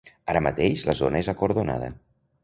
Ara mateix la zona és acordonada.